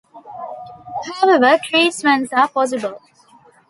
However, treatments are possible.